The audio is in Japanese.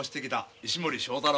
石森章太郎。